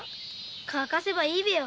乾かせばいいべよ。